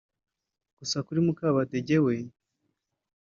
gusa kuri Mukabadege we